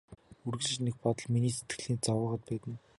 Үргэлж нэг бодол миний сэтгэлийг зовоогоод байна.